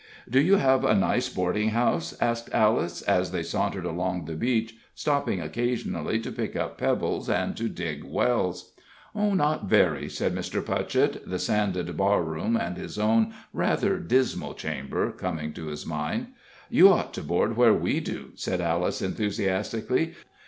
"Do you have a nice boarding house?" asked Alice, as they sauntered along the beach, stopping occasionally to pick up pebbles and to dig wells. "Not very," said Mr. Putchett, the sanded barroom and his own rather dismal chamber coming to his mind. "You ought to board where we do," said Alice, enthusiastically.